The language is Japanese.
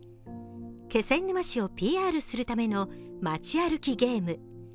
気仙沼市をＰＲするための町歩きゲーム。